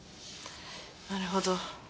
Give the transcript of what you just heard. なるほど。